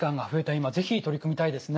今是非取り組みたいですね。